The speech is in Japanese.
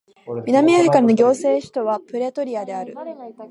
南アフリカの行政首都はプレトリアである